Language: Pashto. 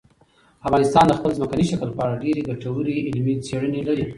افغانستان د خپل ځمکني شکل په اړه ډېرې ګټورې علمي څېړنې لري.